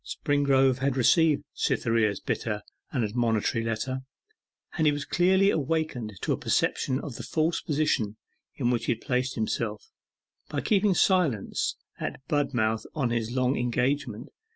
Springrove had received Cytherea's bitter and admonitory letter, and he was clearly awakened to a perception of the false position in which he had placed himself, by keeping silence at Budmouth on his long engagement.